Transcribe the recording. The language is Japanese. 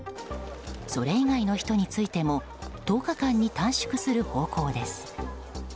それ以外の人についても１０日間に短縮する方向です。